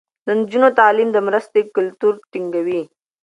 د نجونو تعليم د مرستې کلتور ټينګوي.